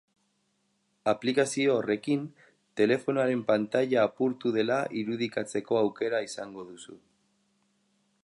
Aplikazio horrekin telefonoaren pantaila apurtu dela irudikatzeko aukera izango duzu.